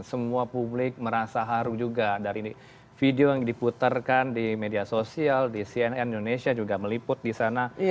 semua publik merasa haru juga dari video yang diputarkan di media sosial di cnn indonesia juga meliput di sana